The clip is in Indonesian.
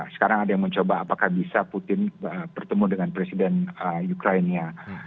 sekarang ada yang mencoba apakah bisa putin bertemu dengan presiden ukraina